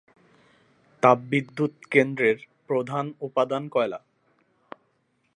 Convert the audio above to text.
তাপবিদ্যুৎ কেন্দ্রের প্রধান উপাদান কয়লা।